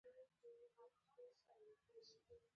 په سوېلي ویلز کې شرایط له جېمز ټاون سره ورته و.